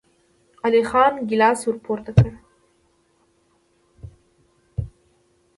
علی خان ګيلاس ور پورته کړ.